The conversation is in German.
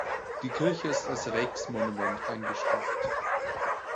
Die Kirche ist als Rijksmonument eingestuft.